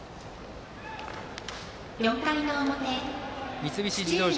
三菱自動車